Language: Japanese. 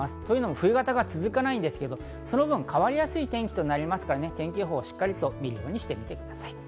冬型が続かないんですけど、その分、変わりやすい天気となるので、天気予報をしっかり見るようにしてください。